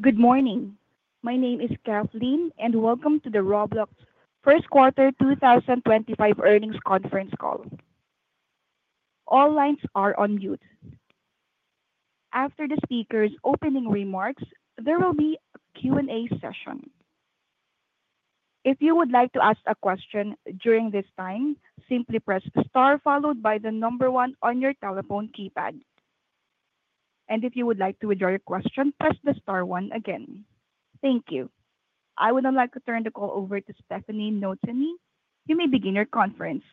Good morning. My name is Kathleen, and welcome to the Roblox Q1 2025 earnings conference call. All lines are on mute. After the speaker's opening remarks, there will be a Q&A session. If you would like to ask a question during this time, simply press Star followed by the number one on your telephone keypad. If you would like to withdraw your question, press the Star one again. Thank you. I would now like to turn the call over to Stefanie Notaney. You may begin your conference.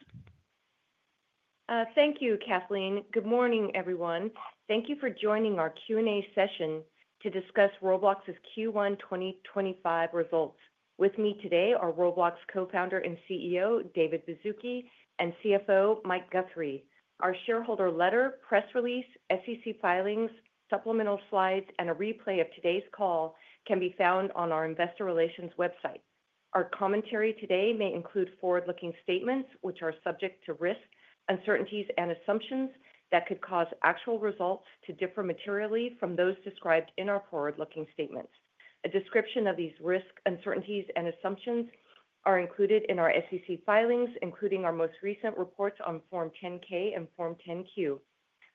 Thank you, Kathleen. Good morning, everyone. Thank you for joining our Q&A session to discuss Roblox's Q1 2025 results. With me today are Roblox co-founder and CEO David Baszucki and CFO Michael Guthrie. Our shareholder letter, press release, SEC filings, supplemental slides, and a replay of today's call can be found on our investor relations website. Our commentary today may include forward-looking statements which are subject to risk, uncertainties, and assumptions that could cause actual results to differ materially from those described in our forward-looking statements. A description of these risks, uncertainties, and assumptions is included in our SEC filings, including our most recent reports on Form 10-K and Form 10-Q.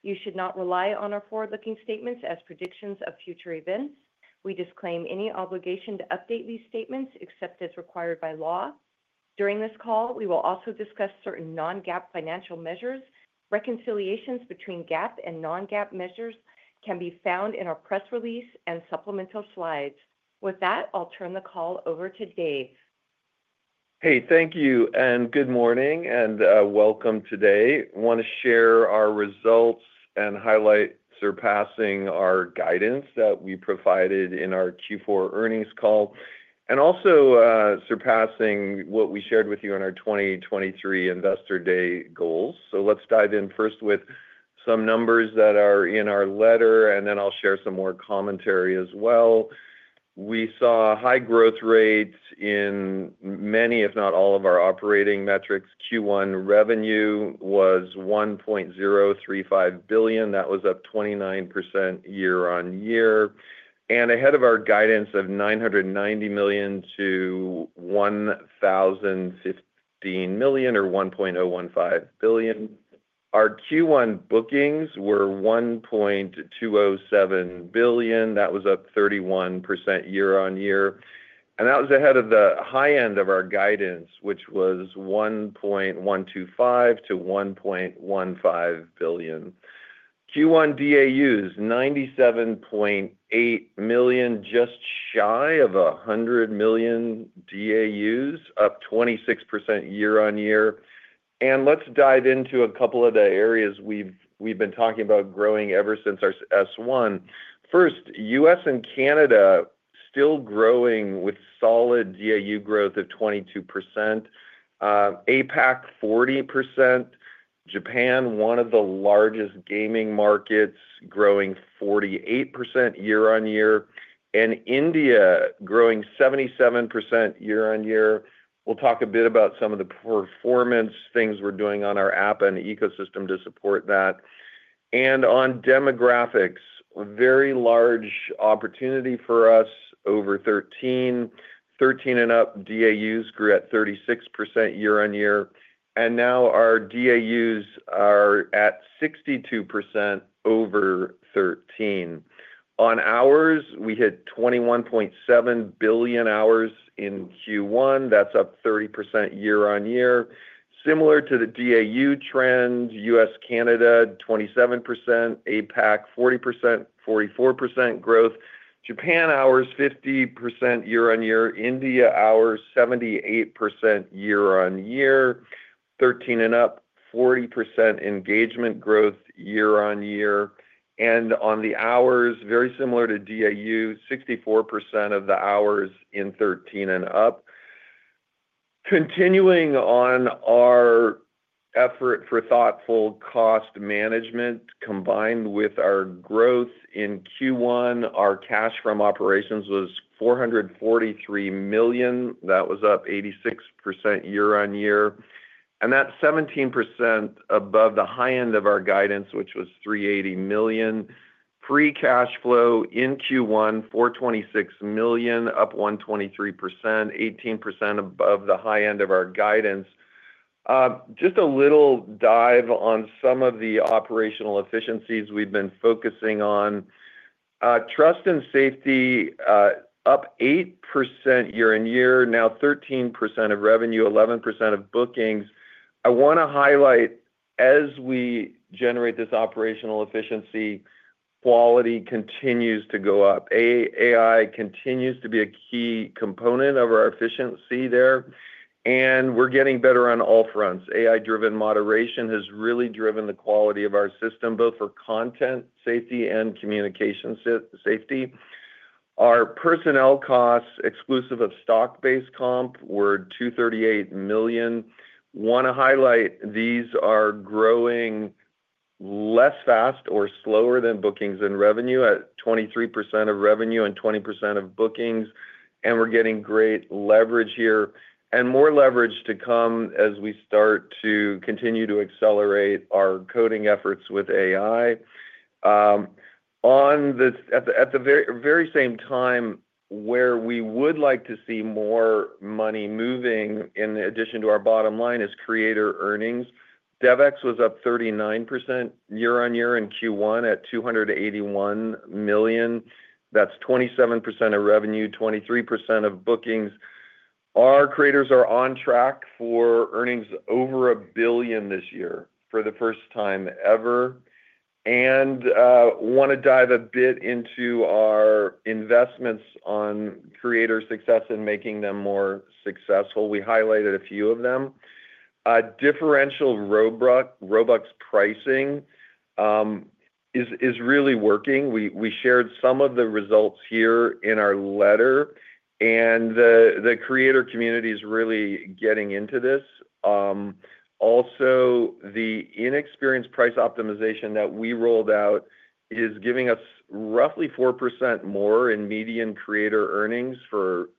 You should not rely on our forward-looking statements as predictions of future events. We disclaim any obligation to update these statements except as required by law. During this call, we will also discuss certain non-GAAP financial measures. Reconciliations between GAAP and non-GAAP measures can be found in our press release and supplemental slides. With that, I'll turn the call over to David. Hey, thank you, and good morning, and welcome today. I want to share our results and highlight surpassing our guidance that we provided in our Q4 earnings call, and also surpassing what we shared with you on our 2023 Investor Day goals. Let's dive in first with some numbers that are in our letter, and then I'll share some more commentary as well. We saw a high growth rate in many, if not all, of our operating metrics. Q1 revenue was $1.035 billion. That was up 29% year on year. Ahead of our guidance of $990 million-$1.015 billion, our Q1 bookings were $1.207 billion. That was up 31% year on year. That was ahead of the high end of our guidance, which was $1.125-$1.15 billion. Q1 DAUs, 97.8 million, just shy of 100 million DAUs, up 26% year on year. Let's dive into a couple of the areas we've been talking about growing ever since our S-1. First, U.S. and Canada are still growing with solid DAU growth of 22%. APAC, 40%. Japan, one of the largest gaming markets, growing 48% year on year. India, growing 77% year on year. We'll talk a bit about some of the performance things we're doing on our app and the ecosystem to support that. On demographics, very large opportunity for us, over 13. 13 and up DAUs grew at 36% year on year. Now our DAUs are at 62% over 13. On hours, we hit $21.7 billion in Q1. That's up 30% year on year. Similar to the DAU trend, U.S.-Canada, 27%. APAC, 40%, 44% growth. Japan hours, 50% year on year. India hours, 78% year on year. 13 and up, 40% engagement growth year on year. On the hours, very similar to DAU, 64% of the hours in 13 and up. Continuing on our effort for thoughtful cost management, combined with our growth in Q1, our cash from operations was $443 million. That was up 86% year on year. That is 17% above the high end of our guidance, which was $380 million. Free cash flow in Q1, $426 million, up 123%, 18% above the high end of our guidance. Just a little dive on some of the operational efficiencies we have been focusing on. Trust and safety, up 8% year on year. Now, 13% of revenue, 11% of bookings. I want to highlight, as we generate this operational efficiency, quality continues to go up. AI continues to be a key component of our efficiency there. We are getting better on all fronts. AI-driven moderation has really driven the quality of our system, both for content safety and communication safety. Our personnel costs, exclusive of stock-based comp, were $238 million. I want to highlight these are growing less fast or slower than bookings and revenue, at 23% of revenue and 20% of bookings. We are getting great leverage here. More leverage to come as we start to continue to accelerate our coding efforts with AI. At the very same time where we would like to see more money moving in addition to our bottom line is creator earnings. DevEx was up 39% year on year in Q1 at $281 million. That is 27% of revenue, 23% of bookings. Our creators are on track for earnings over a billion this year for the first time ever. I want to dive a bit into our investments on creator success and making them more successful. We highlighted a few of them. Differential Roblox pricing is really working. We shared some of the results here in our letter. The creator community is really getting into this. Also, the in-experience price optimization that we rolled out is giving us roughly 4% more in median creator earnings for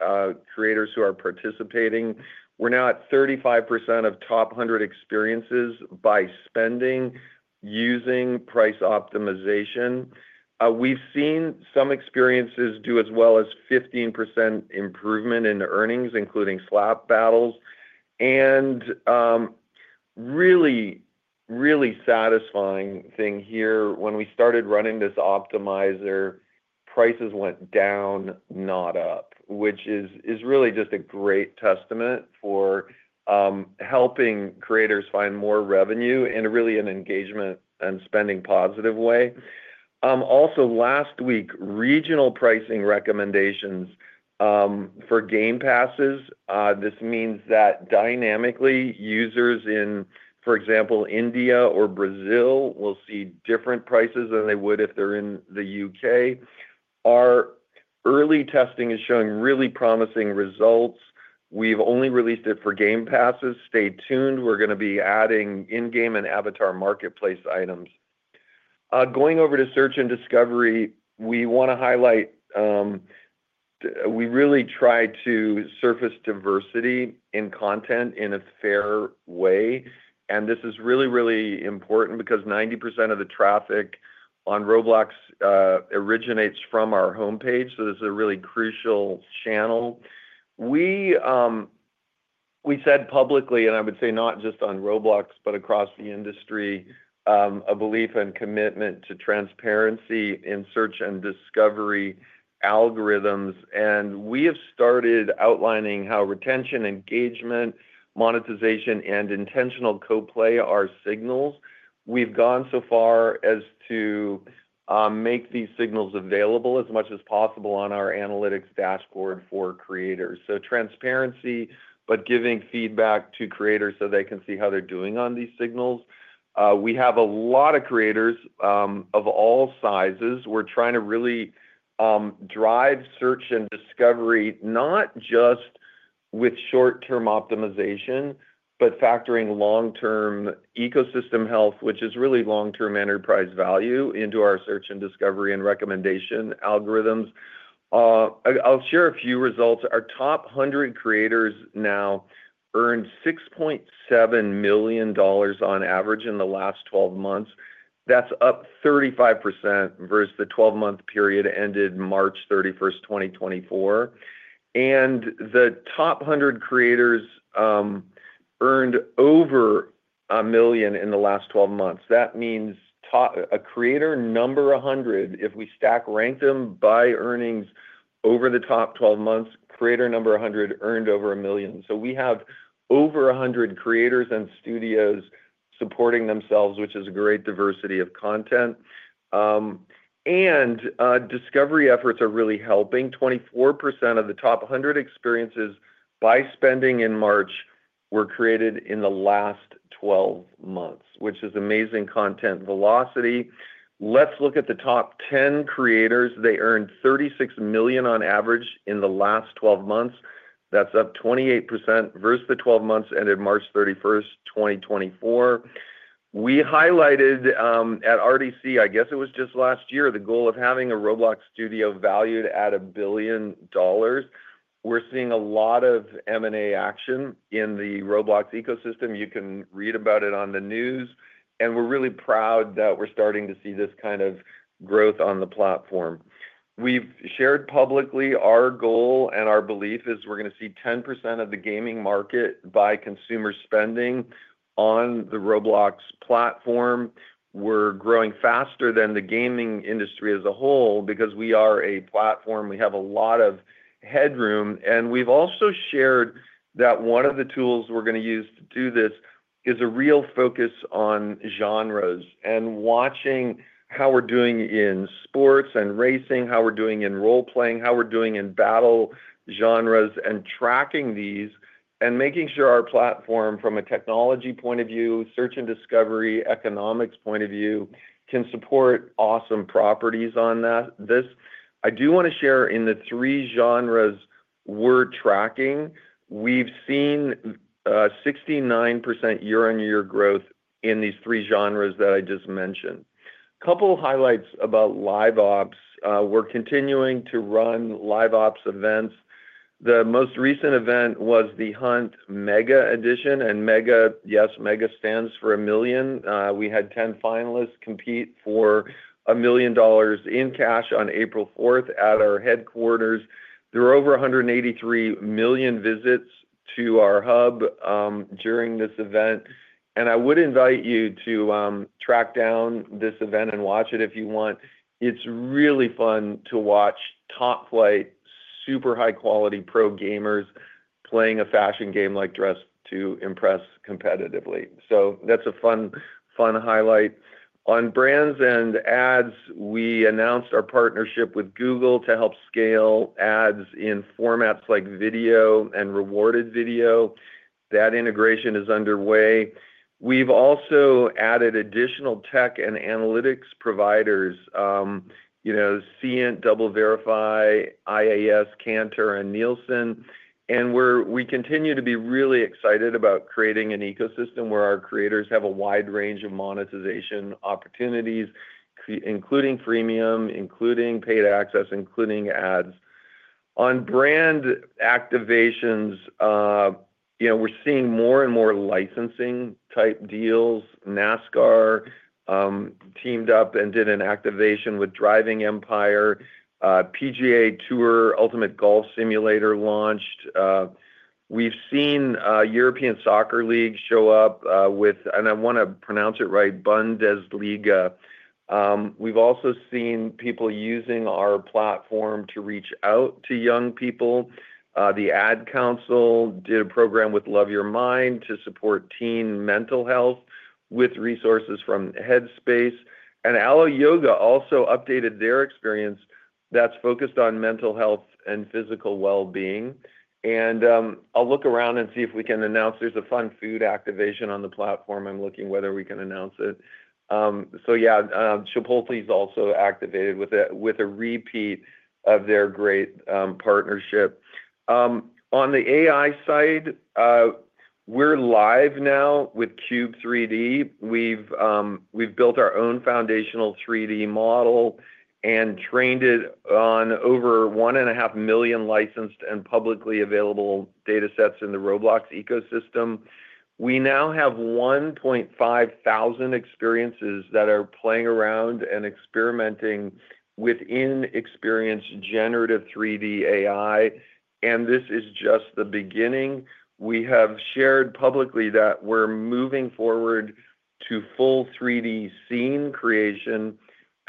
creators who are participating. We are now at 35% of top 100 experiences by spending using price optimization. We have seen some experiences do as well as 15% improvement in earnings, including Slap Battles. A really, really satisfying thing here, when we started running this optimizer, prices went down, not up, which is really just a great testament for helping creators find more revenue in a really engagement and spending positive way. Also, last week, regional pricing recommendations for game passes. This means that dynamically, users in, for example, India or Brazil will see different prices than they would if they're in the U.K. Our early testing is showing really promising results. We've only released it for game passes. Stay tuned. We're going to be adding in-game and Avatar Marketplace items. Going over to search and discovery, we want to highlight we really try to surface diversity in content in a fair way. This is really, really important because 90% of the traffic on Roblox originates from our homepage. This is a really crucial channel. We said publicly, and I would say not just on Roblox, but across the industry, a belief and commitment to transparency in search and discovery algorithms. We have started outlining how retention, engagement, monetization, and intentional co-play are signals. We've gone so far as to make these signals available as much as possible on our analytics dashboard for creators. Transparency, but giving feedback to creators so they can see how they're doing on these signals. We have a lot of creators of all sizes. We're trying to really drive search and discovery, not just with short-term optimization, but factoring long-term ecosystem health, which is really long-term enterprise value into our search and discovery and recommendation algorithms. I'll share a few results. Our top 100 creators now earned $6.7 million on average in the last 12 months. That's up 35% versus the 12-month period ended March 31, 2024. The top 100 creators earned over $1 million in the last 12 months. That means a creator number 100, if we stack rank them by earnings over the top 12 months, creator number 100 earned over $1 million. We have over 100 creators and studios supporting themselves, which is a great diversity of content. Discovery efforts are really helping. 24% of the top 100 experiences by spending in March were created in the last 12 months, which is amazing content velocity. Let's look at the top 10 creators. They earned $36 million on average in the last 12 months. That's up 28% versus the 12 months ended March 31, 2024. We highlighted at RDC, I guess it was just last year, the goal of having a Roblox studio valued at a billion dollars. We're seeing a lot of M&A action in the Roblox ecosystem. You can read about it on the news. We're really proud that we're starting to see this kind of growth on the platform. We've shared publicly our goal, and our belief is we're going to see 10% of the gaming market by consumer spending on the Roblox platform. We're growing faster than the gaming industry as a whole because we are a platform. We have a lot of headroom. We've also shared that one of the tools we're going to use to do this is a real focus on genres and watching how we're doing in sports and racing, how we're doing in role-playing, how we're doing in battle genres, and tracking these and making sure our platform, from a technology point of view, search and discovery, economics point of view, can support awesome properties on this. I do want to share in the three genres we're tracking, we've seen 69% year-on-year growth in these three genres that I just mentioned. A couple of highlights about Live Ops. We're continuing to run Live Ops events. The most recent event was the Hunt Mega Edition. Mega, yes, Mega stands for a million. We had 10 finalists compete for $1,000,000 in cash on April 4 at our headquarters. There were over 183 million visits to our hub during this event. I would invite you to track down this event and watch it if you want. It's really fun to watch top-flight, super high-quality pro gamers playing a fashion game like Dress to Impress competitively. That's a fun highlight. On brands and ads, we announced our partnership with Google to help scale ads in formats like video and rewarded video. That integration is underway. We've also added additional tech and analytics providers, Kantar, DoubleVerify, Integral Ad Science, Kantar, and Nielsen. We continue to be really excited about creating an ecosystem where our creators have a wide range of monetization opportunities, including freemium, including Paid Access, including ads. On brand activations, we're seeing more and more licensing-type deals. NASCAR teamed up and did an activation with Driving Empire. PGA Tour Ultimate Golf Simulator launched. We've seen European Soccer League show up with, and I want to pronounce it right, Bundesliga. We've also seen people using our platform to reach out to young people. The Ad Council did a program with Love Your Mind to support teen mental health with resources from Headspace. Alo Yoga also updated their experience that's focused on mental health and physical well-being. I'll look around and see if we can announce there's a fun food activation on the platform. I'm looking whether we can announce it. Yeah, Chipotle's also activated with a repeat of their great partnership. On the AI side, we're live now with Cube 3D. We've built our own foundational 3D model and trained it on over one and a half million licensed and publicly available datasets in the Roblox ecosystem. We now have 1,500 experiences that are playing around and experimenting with in-experience generative 3D AI. This is just the beginning. We have shared publicly that we're moving forward to full 3D scene creation.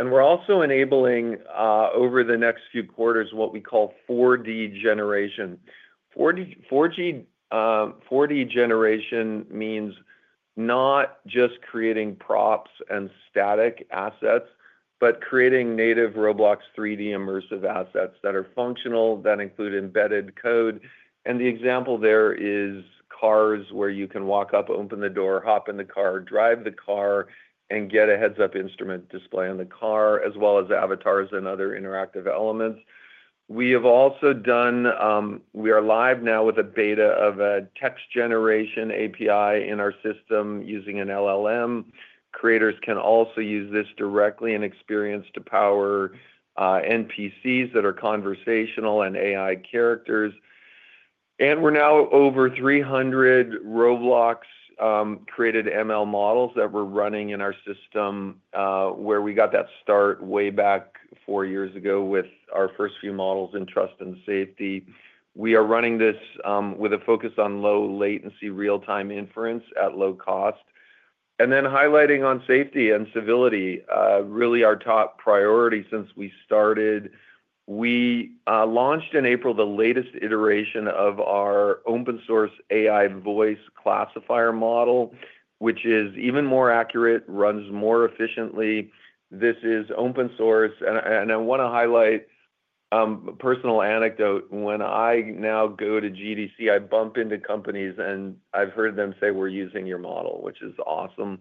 We're also enabling, over the next few quarters, what we call 4D generation. 4D generation means not just creating props and static assets, but creating native Roblox 3D immersive assets that are functional, that include embedded code. The example there is cars where you can walk up, open the door, hop in the car, drive the car, and get a heads-up instrument display on the car, as well as avatars and other interactive elements. We have also done, we are live now with a beta of a text generation API in our system using an LLM. Creators can also use this directly in experience to power NPCs that are conversational and AI characters. We are now over 300 Roblox-created ML models that we are running in our system, where we got that start way back four years ago with our first few models in trust and safety. We are running this with a focus on low-latency real-time inference at low cost. Highlighting on safety and civility, really our top priority since we started. We launched in April the latest iteration of our open-source AI voice classifier model, which is even more accurate, runs more efficiently. This is open-source. I want to highlight a personal anecdote. When I now go to GDC, I bump into companies, and I've heard them say, "We're using your model," which is awesome.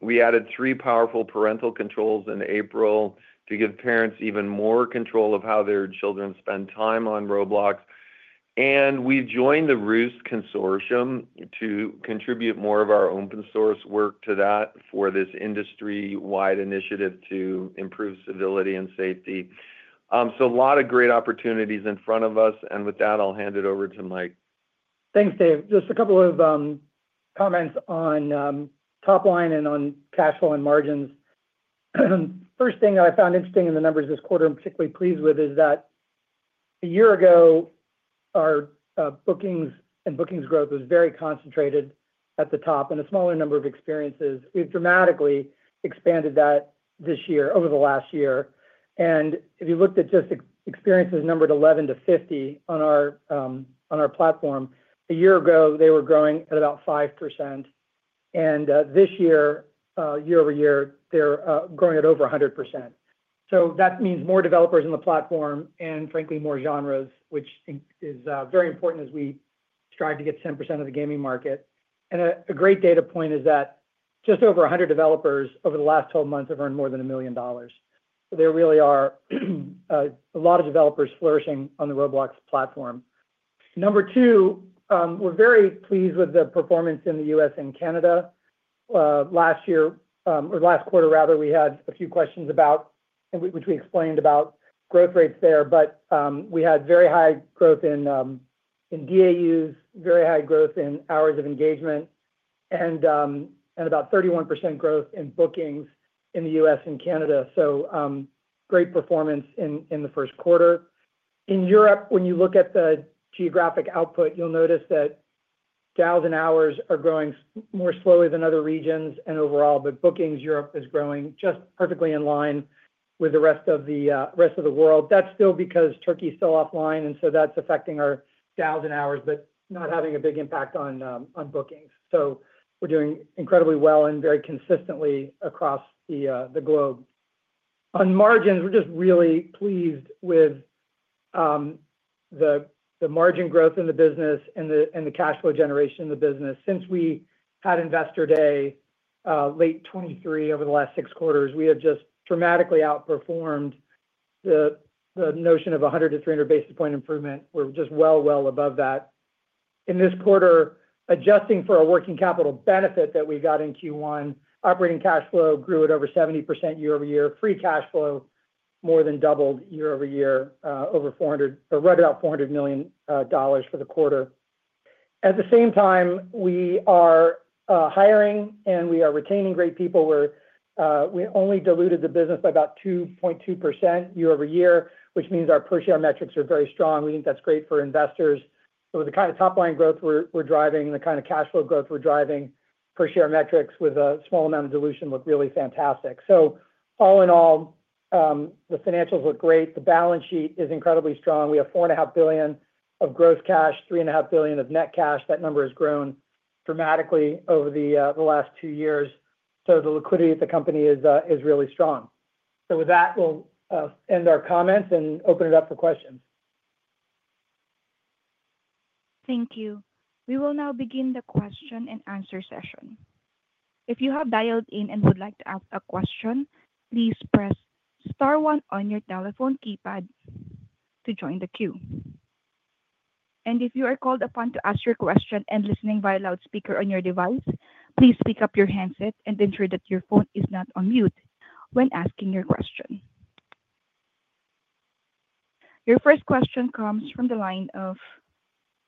We added three powerful parental controls in April to give parents even more control of how their children spend time on Roblox. We joined the Roost Consortium to contribute more of our open-source work to that for this industry-wide initiative to improve civility and safety. A lot of great opportunities are in front of us. With that, I'll hand it over to Michael. Thanks, David. Just a couple of comments on top line and on cash flow and margins. First thing that I found interesting in the numbers this quarter I'm particularly pleased with is that a year ago, our bookings and bookings growth was very concentrated at the top and a smaller number of experiences. We've dramatically expanded that this year over the last year. If you looked at just experiences numbered 11-50 on our platform, a year ago, they were growing at about 5%. This year, year over year, they're growing at over 100%. That means more developers on the platform and, frankly, more genres, which is very important as we strive to get 10% of the gaming market. A great data point is that just over 100 developers over the last 12 months have earned more than $1 million. There really are a lot of developers flourishing on the Roblox platform. Number two, we're very pleased with the performance in the U.S. and Canada. Last year or last quarter, rather, we had a few questions about, which we explained about growth rates there, but we had very high growth in DAUs, very high growth in hours of engagement, and about 31% growth in bookings in the U.S. and Canada. Great performance in the first quarter. In Europe, when you look at the geographic output, you'll notice that DAUs and hours are growing more slowly than other regions and overall, but bookings Europe is growing just perfectly in line with the rest of the world. That is still because Turkey is still offline, and that is affecting our DAUs and hours, but not having a big impact on bookings. We are doing incredibly well and very consistently across the globe. On margins, we're just really pleased with the margin growth in the business and the cash flow generation in the business. Since we had Investor Day late 2023 over the last six quarters, we have just dramatically outperformed the notion of 100-300 basis point improvement. We're just well, well above that. In this quarter, adjusting for a working capital benefit that we got in Q1, operating cash flow grew at over 70% year over year. Free cash flow more than doubled year over year, over $400 million or right about $400 million for the quarter. At the same time, we are hiring and we are retaining great people. We only diluted the business by about 2.2% year over year, which means our per-share metrics are very strong. We think that's great for investors. The kind of top-line growth we're driving and the kind of cash flow growth we're driving per-share metrics with a small amount of dilution look really fantastic. All in all, the financials look great. The balance sheet is incredibly strong. We have $4.5 billion of gross cash, $3.5 billion of net cash. That number has grown dramatically over the last two years. The liquidity at the company is really strong. With that, we'll end our comments and open it up for questions. Thank you. We will now begin the question and answer session. If you have dialed in and would like to ask a question, please press star one on your telephone keypad to join the queue. If you are called upon to ask your question and listening via loudspeaker on your device, please pick up your handset and ensure that your phone is not on mute when asking your question. Your first question comes from the line of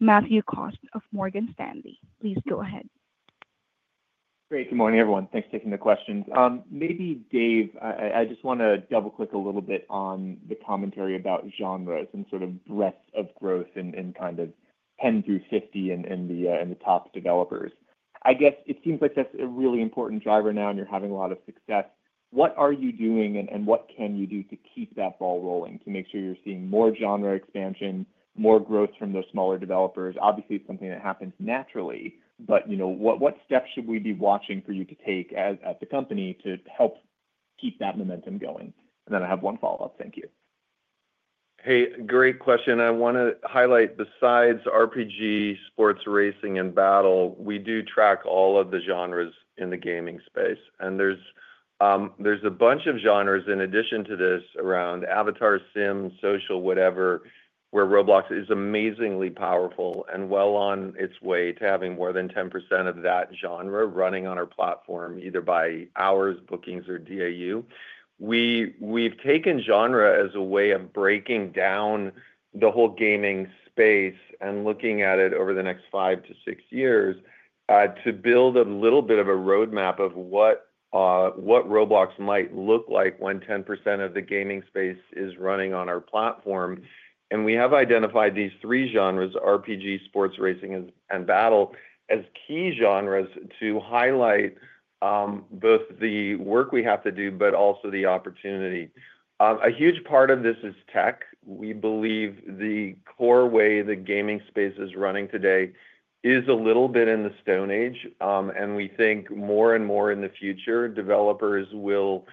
Matthew Cost of Morgan Stanley. Please go ahead. Great. Good morning, everyone. Thanks for taking the questions. Maybe David, I just want to double-click a little bit on the commentary about genres and sort of breadth of growth in kind of 10 through 50 and the top developers. I guess it seems like that's a really important driver now, and you're having a lot of success. What are you doing and what can you do to keep that ball rolling to make sure you're seeing more genre expansion, more growth from those smaller developers? Obviously, it's something that happens naturally, but what steps should we be watching for you to take as a company to help keep that momentum going? I have one follow-up. Thank you. Hey, great question. I want to highlight, besides RPG, sports, racing, and battle, we do track all of the genres in the gaming space. There's a bunch of genres in addition to this around avatar, sim, social, whatever, where Roblox is amazingly powerful and well on its way to having more than 10% of that genre running on our platform, either by hours, bookings, or DAU. We've taken genre as a way of breaking down the whole gaming space and looking at it over the next five to six years to build a little bit of a roadmap of what Roblox might look like when 10% of the gaming space is running on our platform. We have identified these three genres, RPG, sports, racing, and battle, as key genres to highlight both the work we have to do, but also the opportunity. A huge part of this is tech. We believe the core way the gaming space is running today is a little bit in the Stone Age. We think more and more in the future, developers will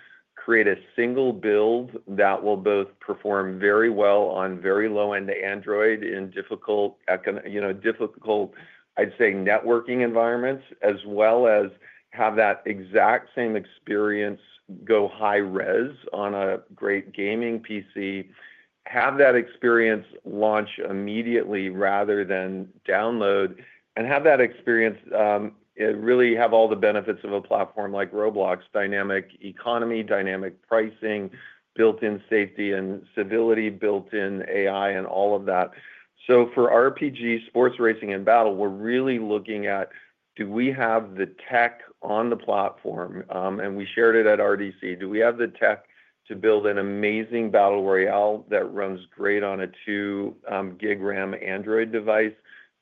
create a single build that will both perform very well on very low-end Android in difficult, I'd say, networking environments, as well as have that exact same experience go high-res on a great gaming PC, have that experience launch immediately rather than download, and have that experience really have all the benefits of a platform like Roblox: dynamic economy, dynamic pricing, built-in safety and civility, built-in AI, and all of that. For RPG, sports, racing, and battle, we're really looking at, do we have the tech on the platform? We shared it at RDC. Do we have the tech to build an amazing battle royale that runs great on a 2 GB RAM Android device?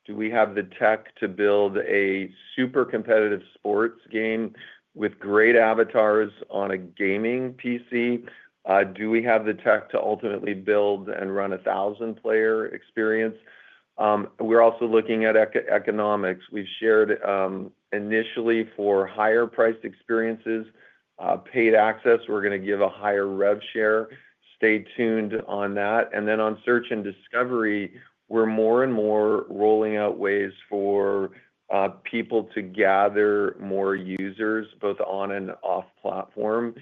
Do we have the tech to build a super competitive sports game with great avatars on a gaming PC? Do we have the tech to ultimately build and run a 1,000-player experience? We're also looking at economics. We shared initially for higher-priced experiences, Paid Access, we're going to give a higher rev share. Stay tuned on that. On search and discovery, we're more and more rolling out ways for people to gather more users both on and off platform.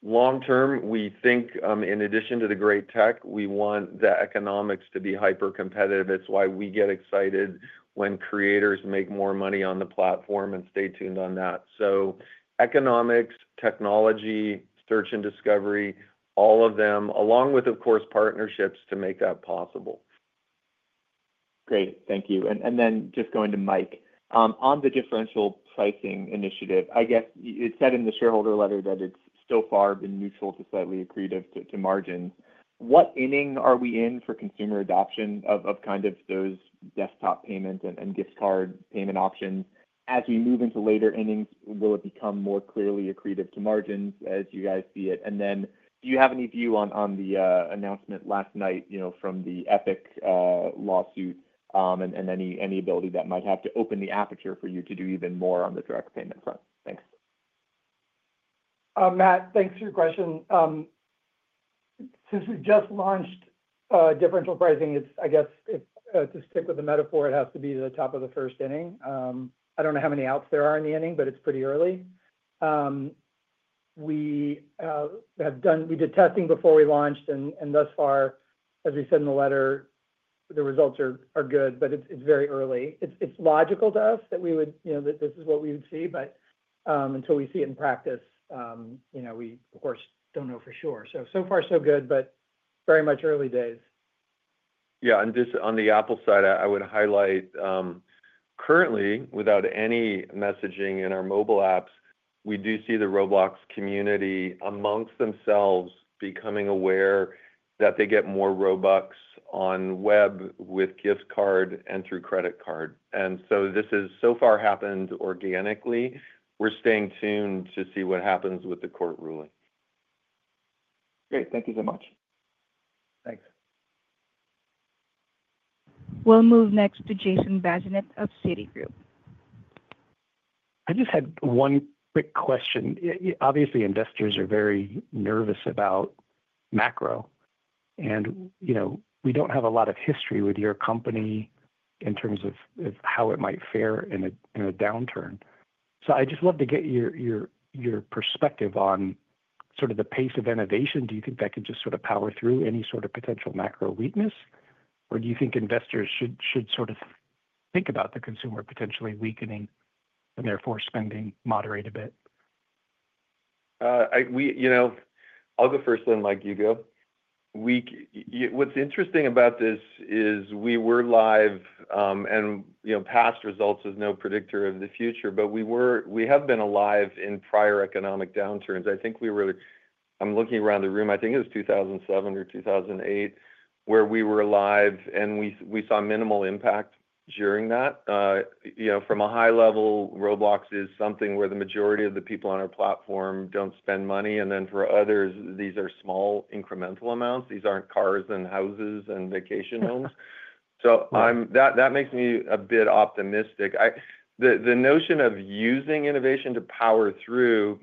Long term, we think, in addition to the great tech, we want the economics to be hyper-competitive. It's why we get excited when creators make more money on the platform, and stay tuned on that. Economics, technology, search and discovery, all of them, along with, of course, partnerships to make that possible. Great. Thank you. Going to Michael. On the differential pricing initiative, I guess it said in the shareholder letter that it's so far been neutral to slightly accretive to margins. What inning are we in for consumer adoption of kind of those desktop payment and gift card payment options? As we move into later innings, will it become more clearly accretive to margins as you guys see it? Do you have any view on the announcement last night from the Epic lawsuit and any ability that might have to open the aperture for you to do even more on the direct payment front? Thanks. Matthew, thanks for your question. Since we just launched differential pricing, I guess to stick with the metaphor, it has to be the top of the first inning. I do not know how many outs there are in the inning, but it is pretty early. We did testing before we launched, and thus far, as we said in the letter, the results are good, but it is very early. It is logical to us that this is what we would see, but until we see it in practice, we, of course, do not know for sure. So far, so good, but very much early days. Yeah. Just on the Apple side, I would highlight currently, without any messaging in our mobile apps, we do see the Roblox community amongst themselves becoming aware that they get more Robux on web with gift card and through credit card. This has so far happened organically. We're staying tuned to see what happens with the court ruling. Great. Thank you so much. Thanks. We'll move next to Jason Bazinet of Citigroup. I just had one quick question. Obviously, investors are very nervous about macro, and we don't have a lot of history with your company in terms of how it might fare in a downturn. I'd just love to get your perspective on sort of the pace of innovation. Do you think that could just sort of power through any sort of potential macro weakness, or do you think investors should sort of think about the consumer potentially weakening and therefore spending moderate a bit? I'll go first, then Michael, you go. What's interesting about this is we were live, and past results is no predictor of the future, but we have been alive in prior economic downturns. I think we were—I am looking around the room—I think it was 2007 or 2008 where we were live, and we saw minimal impact during that. From a high level, Roblox is something where the majority of the people on our platform do not spend money, and then for others, these are small incremental amounts. These are not cars and houses and vacation homes. That makes me a bit optimistic. The notion of using innovation to power through,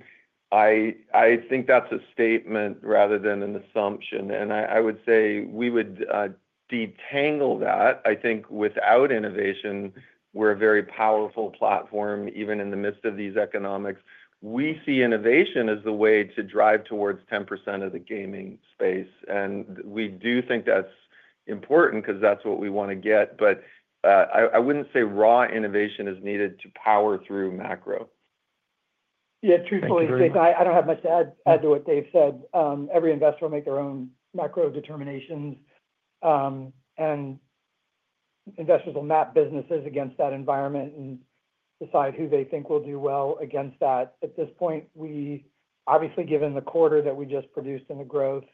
I think that is a statement rather than an assumption. I would say we would detangle that. I think without innovation, we are a very powerful platform, even in the midst of these economics. We see innovation as the way to drive towards 10% of the gaming space, and we do think that is important because that is what we want to get. I would not say raw innovation is needed to power through macro. Yeah. Truthfully, I don't have much to add to what David said. Every investor will make their own macro determinations, and investors will map businesses against that environment and decide who they think will do well against that. At this point, obviously, given the quarter that we just produced and the growth,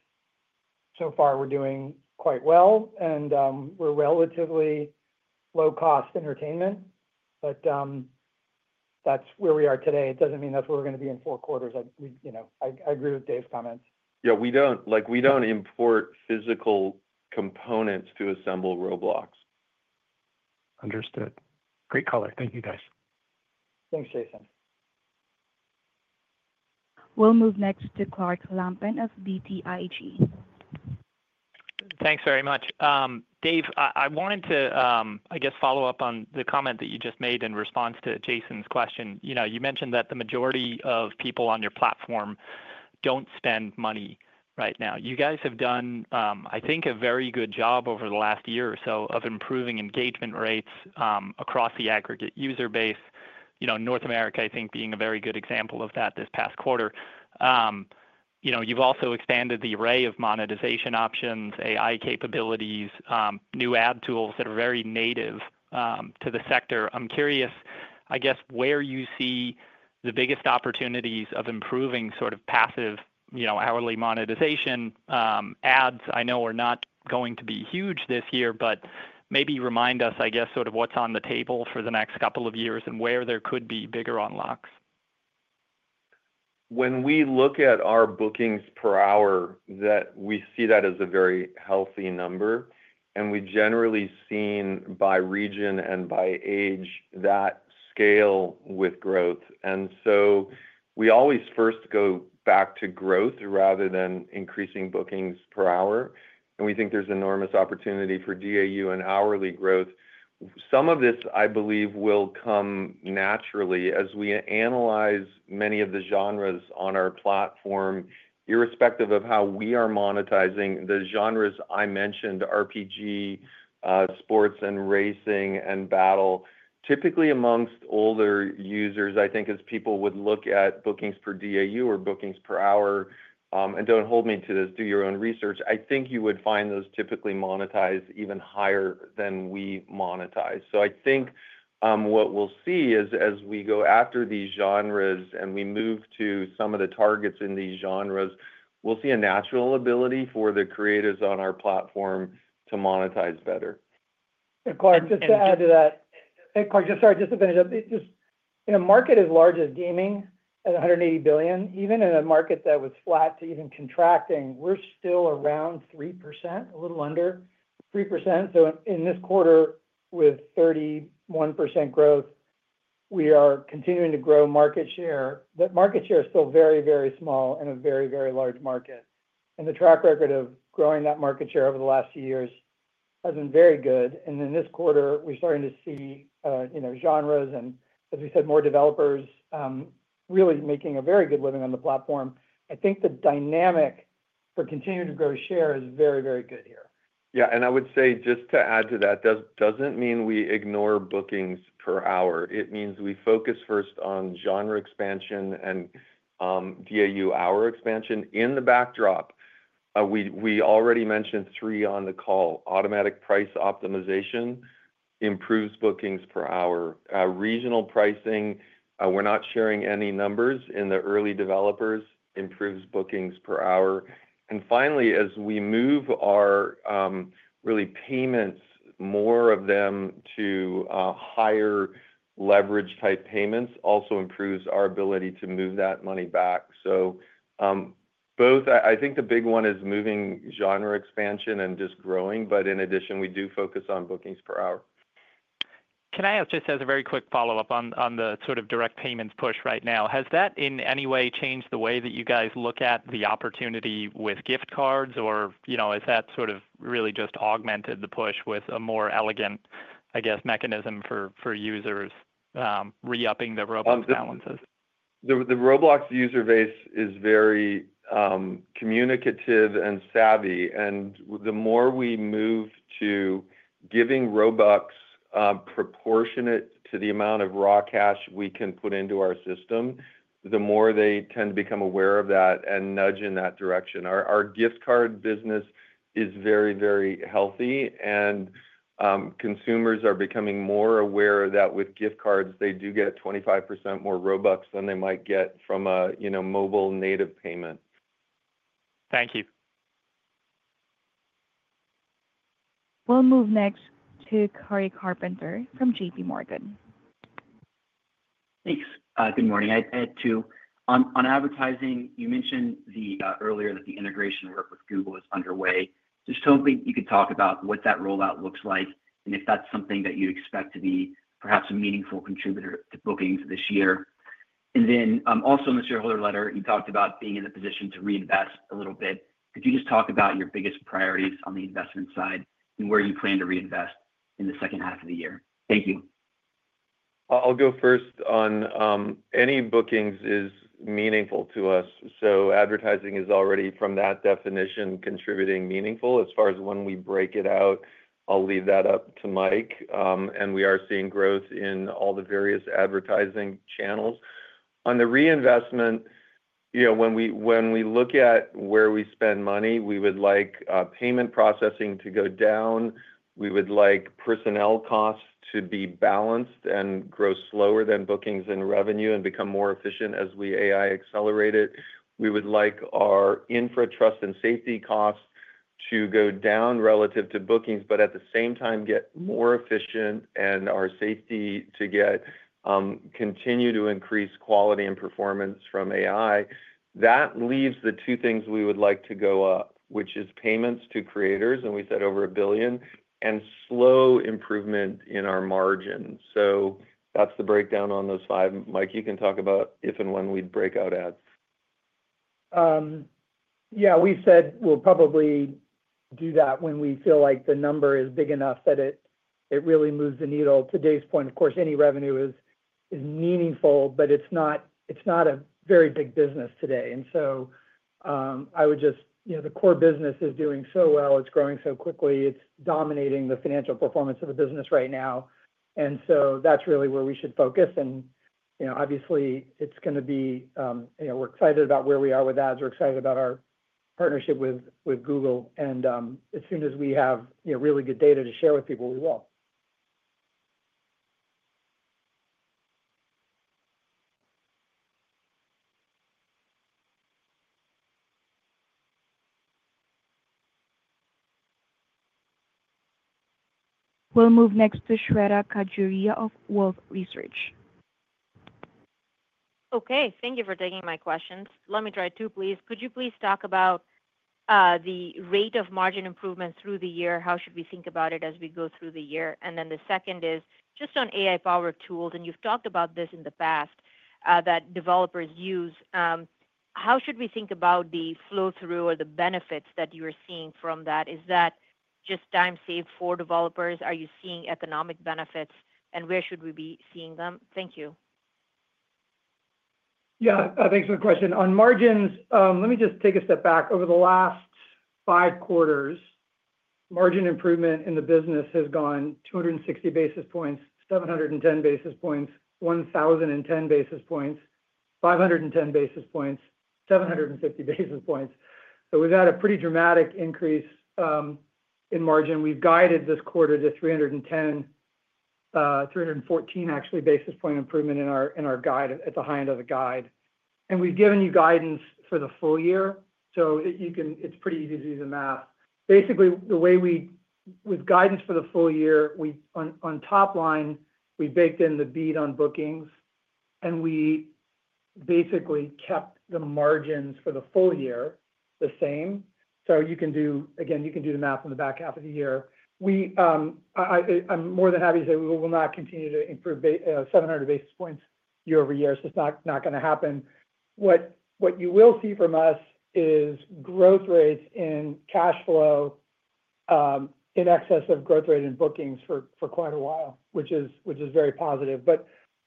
so far we're doing quite well, and we're relatively low-cost entertainment, but that's where we are today. It doesn't mean that's where we're going to be in four quarters. I agree with David's comments. Yeah. We don't import physical components to assemble Roblox. Understood. Great color. Thank you, guys. Thanks, Jason. We'll move next to Clark Lampen of BTIG. Thanks very much. David, I wanted to, I guess, follow up on the comment that you just made in response to Jason's question. You mentioned that the majority of people on your platform don't spend money right now. You guys have done, I think, a very good job over the last year or so of improving engagement rates across the aggregate user base. North America, I think, being a very good example of that this past quarter. You have also expanded the array of monetization options, AI capabilities, new ad tools that are very native to the sector. I am curious, I guess, where you see the biggest opportunities of improving sort of passive hourly monetization. Ads, I know, are not going to be huge this year, but maybe remind us, I guess, sort of what is on the table for the next couple of years and where there could be bigger unlocks. When we look at our bookings per hour, we see that as a very healthy number, and we have generally seen by region and by age that scale with growth. We always first go back to growth rather than increasing bookings per hour. We think there is enormous opportunity for DAU and hourly growth. Some of this, I believe, will come naturally as we analyze many of the genres on our platform, irrespective of how we are monetizing. The genres I mentioned, RPG, sports, and racing, and battle, typically amongst older users, I think, as people would look at bookings per DAU or bookings per hour, and do not hold me to this, do your own research, I think you would find those typically monetize even higher than we monetize. I think what we will see is, as we go after these genres and we move to some of the targets in these genres, we will see a natural ability for the creators on our platform to monetize better. Clark, just to add to that, Clark, sorry to finish up. In a market as large as gaming at $180 billion, even in a market that was flat to even contracting, we're still around 3%, a little under 3%. In this quarter, with 31% growth, we are continuing to grow market share. Market share is still very, very small in a very, very large market. The track record of growing that market share over the last few years has been very good. In this quarter, we're starting to see genres and, as we said, more developers really making a very good living on the platform. I think the dynamic for continuing to grow share is very, very good here. Yeah. I would say, just to add to that, that doesn't mean we ignore bookings per hour. It means we focus first on genre expansion and DAU hour expansion. In the backdrop, we already mentioned three on the call. Automatic price optimization improves bookings per hour. Regional pricing, we're not sharing any numbers in the early developers, improves bookings per hour. Finally, as we move our really payments, more of them to higher leverage-type payments also improves our ability to move that money back. I think the big one is moving genre expansion and just growing, but in addition, we do focus on bookings per hour. Can I just ask a very quick follow-up on the sort of direct payments push right now? Has that in any way changed the way that you guys look at the opportunity with gift cards, or has that sort of really just augmented the push with a more elegant, I guess, mechanism for users re-upping their Robux balances? The Roblox user base is very communicative and savvy. The more we move to giving Robux proportionate to the amount of raw cash we can put into our system, the more they tend to become aware of that and nudge in that direction. Our gift card business is very, very healthy, and consumers are becoming more aware that with gift cards, they do get 25% more Robux than they might get from a mobile native payment. Thank you. We'll move next to Cory Carpenter from JPMorgan. Thanks. Good morning. I'd add too. On advertising, you mentioned earlier that the integration work with Google is underway. Just hoping you could talk about what that rollout looks like and if that's something that you expect to be perhaps a meaningful contributor to bookings this year. Also, in the shareholder letter, you talked about being in a position to reinvest a little bit. Could you just talk about your biggest priorities on the investment side and where you plan to reinvest in the second half of the year? Thank you. I'll go first on any bookings is meaningful to us. Advertising is already, from that definition, contributing meaningful. As far as when we break it out, I'll leave that up to Michael. We are seeing growth in all the various advertising channels. On the reinvestment, when we look at where we spend money, we would like payment processing to go down. We would like personnel costs to be balanced and grow slower than bookings and revenue and become more efficient as we AI accelerate it. We would like our infrastructure and safety costs to go down relative to bookings, but at the same time, get more efficient and our safety to continue to increase quality and performance from AI. That leaves the two things we would like to go up, which is payments to creators, and we said over a billion, and slow improvement in our margins. That is the breakdown on those five. Michael, you can talk about if and when we would break out ads. Yeah. We said we will probably do that when we feel like the number is big enough that it really moves the needle. To David's point, of course, any revenue is meaningful, but it is not a very big business today. I would just say the core business is doing so well. It is growing so quickly. It is dominating the financial performance of the business right now. That is really where we should focus. Obviously, we are excited about where we are with ads. We are excited about our partnership with Google. As soon as we have really good data to share with people, we will. We will move next to Shweta Khajuria of Wolfe Research. Thank you for taking my questions. Let me try two, please. Could you please talk about the rate of margin improvement through the year? How should we think about it as we go through the year? The second is just on AI-powered tools. You have talked about this in the past that developers use. How should we think about the flow-through or the benefits that you are seeing from that? Is that just time saved for developers? Are you seeing economic benefits, and where should we be seeing them? Thank you. Yeah. Thanks for the question. On margins, let me just take a step back. Over the last five quarters, margin improvement in the business has gone 260 basis points, 710 basis points, 1,010 basis points, 510 basis points, 750 basis points. We have had a pretty dramatic increase in margin. We have guided this quarter to 314, actually, basis point improvement in our guide at the high end of the guide. We have given you guidance for the full year, so it is pretty easy to do the math. Basically, the way we with guidance for the full year, on top line, we baked in the beat on bookings, and we basically kept the margins for the full year the same. Again, you can do the math on the back half of the year. I am more than happy to say we will not continue to improve 700 basis points year over year. It's just not going to happen. What you will see from us is growth rates in cash flow in excess of growth rate in bookings for quite a while, which is very positive.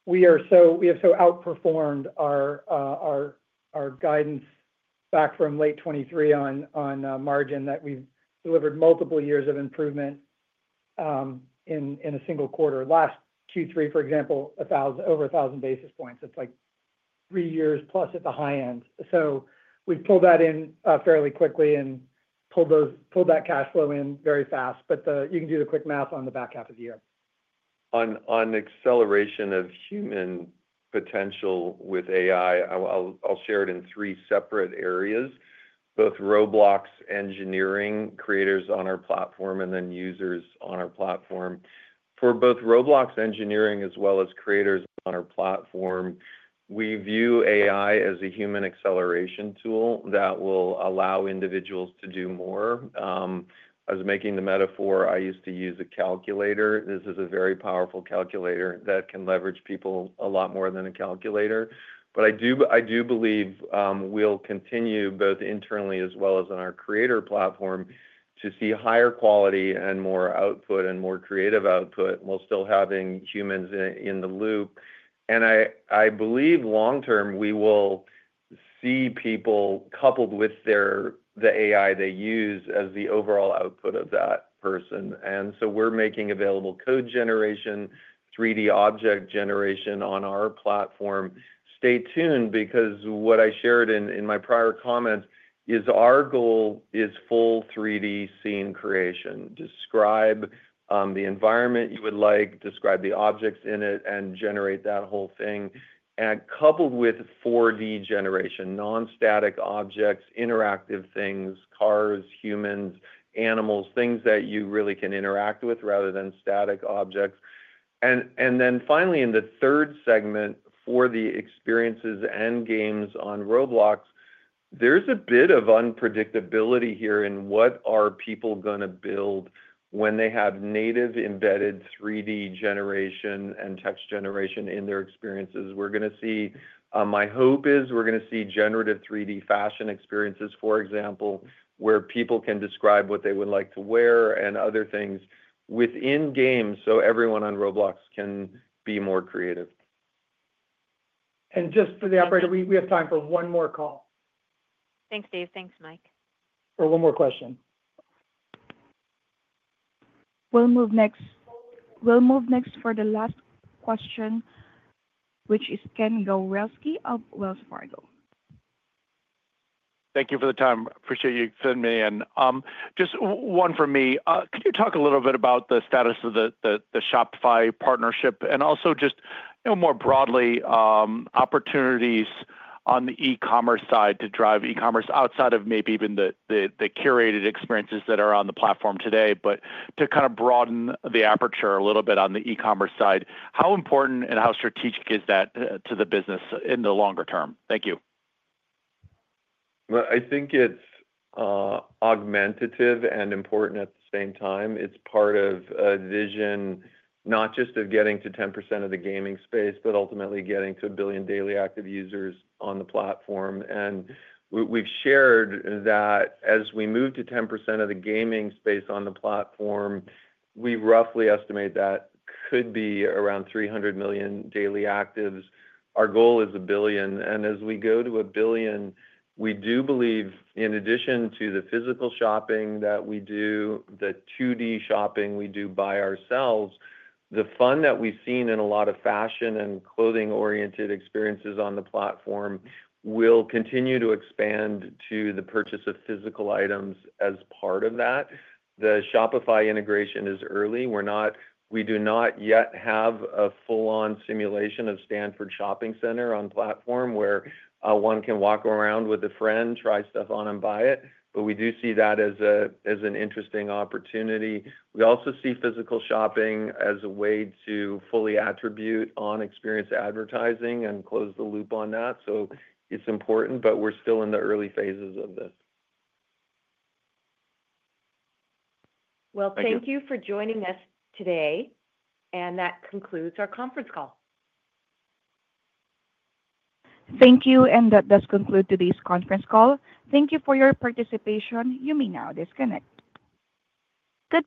We have so outperformed our guidance back from late 2023 on margin that we've delivered multiple years of improvement in a single quarter. Last Q3, for example, over 1,000 basis points. It's like three years plus at the high end. We have pulled that in fairly quickly and pulled that cash flow in very fast. You can do the quick math on the back half of the year. On acceleration of human potential with AI, I'll share it in three separate areas: both Roblox engineering, creators on our platform, and then users on our platform. For both Roblox engineering as well as creators on our platform, we view AI as a human acceleration tool that will allow individuals to do more. I was making the metaphor. I used to use a calculator. This is a very powerful calculator that can leverage people a lot more than a calculator. I do believe we'll continue both internally as well as on our creator platform to see higher quality and more output and more creative output while still having humans in the loop. I believe long-term, we will see people coupled with the AI they use as the overall output of that person. We are making available code generation, 3D object generation on our platform. Stay tuned because what I shared in my prior comments is our goal is full 3D scene creation. Describe the environment you would like, describe the objects in it, and generate that whole thing. Coupled with 4D generation, non-static objects, interactive things, cars, humans, animals, things that you really can interact with rather than static objects. Finally, in the third segment for the experiences and games on Roblox, there's a bit of unpredictability here in what are people going to build when they have native embedded 3D generation and text generation in their experiences. My hope is we're going to see generative 3D fashion experiences, for example, where people can describe what they would like to wear and other things within games so everyone on Roblox can be more creative. Just for the operator, we have time for one more call. Thanks, David. Thanks, Michael. Or one more question. We'll move next. We'll move next for the last question, which is Kenneth Gawrelski of Wells Fargo. Thank you for the time. Appreciate you fitting me in. Just one for me. Could you talk a little bit about the status of the Shopify partnership and also just more broadly opportunities on the e-commerce side to drive e-commerce outside of maybe even the curated experiences that are on the platform today, but to kind of broaden the aperture a little bit on the e-commerce side? How important and how strategic is that to the business in the longer term? Thank you. I think it's augmentative and important at the same time. It's part of a vision not just of getting to 10% of the gaming space, but ultimately getting to a billion daily active users on the platform. We have shared that as we move to 10% of the gaming space on the platform, we roughly estimate that could be around 300 million daily actives. Our goal is a billion. As we go to a billion, we do believe, in addition to the physical shopping that we do, the 2D shopping we do by ourselves, the fun that we have seen in a lot of fashion and clothing-oriented experiences on the platform will continue to expand to the purchase of physical items as part of that. The Shopify integration is early. We do not yet have a full-on simulation of Stanford Shopping Center on platform where one can walk around with a friend, try stuff on, and buy it. We do see that as an interesting opportunity. We also see physical shopping as a way to fully attribute on-experience advertising and close the loop on that. It is important, but we're still in the early phases of this. Thank you for joining us today. That concludes our conference call. Thank you. That does conclude today's conference call. Thank you for your participation. You may now disconnect. Good.